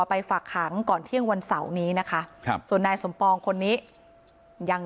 ไปฝากขังก่อนเที่ยงวันเสาร์นี้นะคะครับส่วนนายสมปองคนนี้ยัง